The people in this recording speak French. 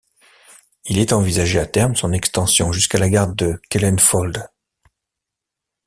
Il est envisagé à terme son extension jusqu'à la gare de Kelenföld.